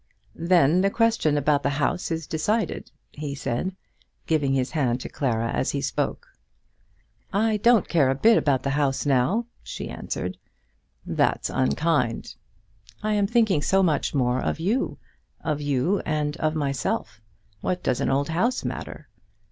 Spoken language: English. "Then the question about the house is decided," he said, giving his hand to Clara as he spoke. "I don't care a bit about the house now," she answered. "That's unkind." "I am thinking so much more of you, of you and of myself. What does an old house matter?"